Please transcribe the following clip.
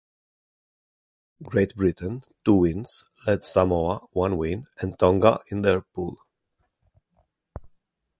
Great Britain (two wins) led Samoa (one win) and Tonga in their pool.